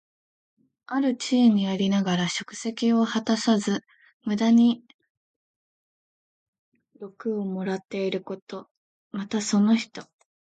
ある地位にありながら職責を果たさず、無駄に禄をもらっていること。また、その人。